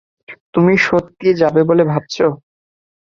তুমি সত্যিই যাবে বলে ভাবছ?